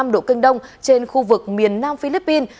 một trăm hai mươi năm năm độ cânh đông trên khu vực miền nam philippines